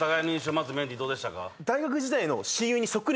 まずメンディーどうでしたか？